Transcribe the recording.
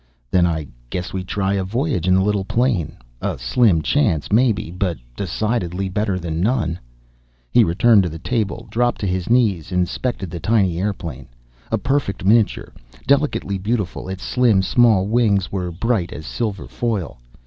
"Then I guess we try a voyage in the little plane. A slim chance, maybe. But decidedly better than none!" He returned to the table, dropped on his knees, inspected the tiny airplane. A perfect miniature, delicately beautiful; its slim, small wings were bright as silver foil.